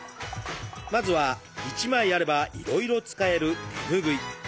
まずは一枚あればいろいろ使える手ぬぐい。